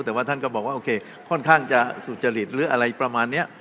แต่ว่าท่านก็บอกว่าโอเคค่อนข้างจะสุจริตหรืออะไรประมาณนี้